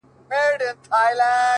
• راسه قباله يې درله در کړمه ـ